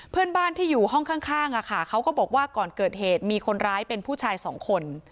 เพื่อนบ้านที่อยู่ห้องข้างเขาก็บอกว่าก่อนเกิดเหตุมีคนร้ายเป็นผู้ชายสองคน